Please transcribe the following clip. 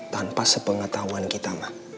tanpa sepengetahuan kita ma